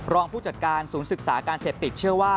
ผู้จัดการศูนย์ศึกษาการเสพติดเชื่อว่า